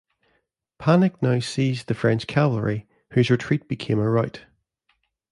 Panic now seized the French cavalry, whose retreat became a rout.